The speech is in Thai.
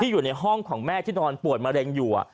อยู่ในห้องของแม่ที่นอนป่วยมะเร็งอยู่